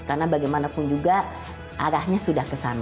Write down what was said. karena bagaimanapun juga arahnya sudah ke sana